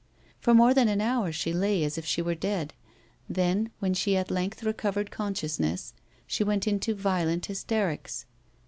For more than an hour she lay as if she were dead, then, when she at length recovered consciousness, she went into violent hysterics.